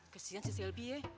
kesian si shelby ya